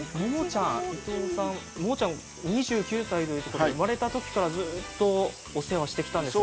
モモちゃんは２９歳、生まれたときからずっとお世話してきたんですね。